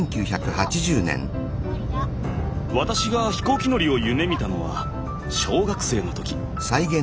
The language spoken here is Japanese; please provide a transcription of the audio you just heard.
私が飛行機乗りを夢みたのは小学生の時。